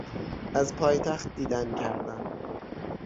از پایتخت دیدن کردن